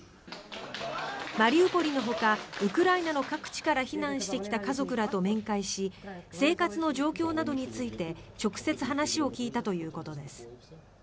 マリウポリのほかウクライナの各地から避難してきた家族らと面会し生活の状況などについて直接話を聞いたということです。